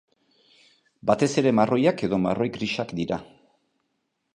Batez ere marroiak edo marroi-grisak dira.